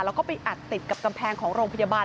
แล้วก็ไปอัดติดกับกำแพงของโรงพยาบาล